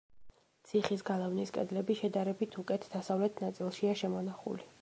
ციხის გალავნის კედლები შედარებით უკეთ დასავლეთ ნაწილშია შემონახული.